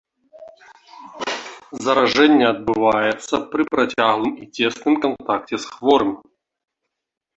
Заражэнне адбываецца пры працяглым і цесным кантакце з хворым.